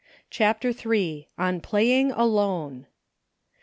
CHAPTER III. ON PLAYING ALONE.